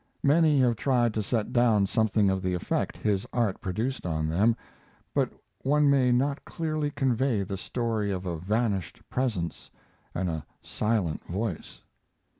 Many have tried to set down something of the effect his art produced on them, but one may not clearly convey the story of a vanished presence and a silent voice.